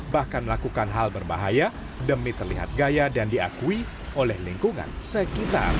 bahkan melakukan hal berbahaya demi terlihat gaya dan diakui oleh lingkungan sekitar